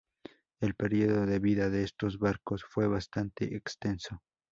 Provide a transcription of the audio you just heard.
El período de vida de estos barcos fue bastante extenso.